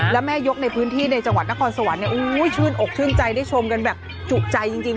แล้วแม่ยกในพื้นที่ในจังหวัดนครสวรรค์ชื่นอกชื่นใจได้ชมกันแบบจุใจจริง